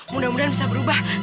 mudah mudahan bisa berubah